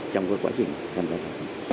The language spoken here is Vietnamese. trong quá trình tham gia thói